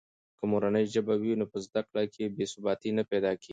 که مورنۍ ژبه وي نو په زده کړه کې بې ثباتي نه پیدا کېږي.